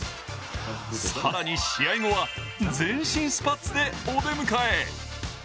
更に試合後は全身スパッツでお出迎え。